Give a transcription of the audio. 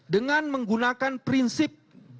dengan menggunakan prinsip